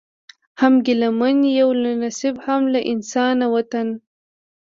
هم ګیله من یو له نصیب هم له انسان وطنه